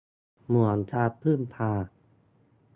เหมือน การ พึ่ง พา